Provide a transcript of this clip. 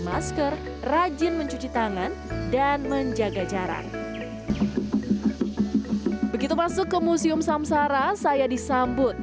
masker rajin mencuci tangan dan menjaga jarak begitu masuk ke museum samsara saya disambut